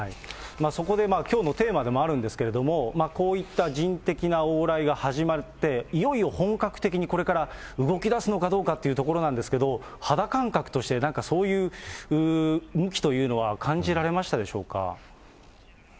そこできょうのテーマでもあるんですけれども、こういった人的な往来が始まって、いよいよ本格的にこれから動きだすのかどうかっていうところなんですけど、肌感覚として、なんかそういう向きというのは感じられましたでしょうか。